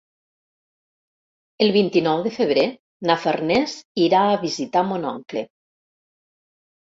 El vint-i-nou de febrer na Farners irà a visitar mon oncle.